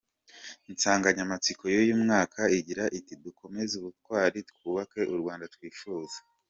Insanganyamatsiko y’uyu mwaka igira iti "Dukomeze Ubutwari, Twubake u Rwanda twifuza.